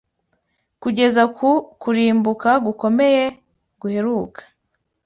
kugeza ku kurimbuka gukomeye guheruka.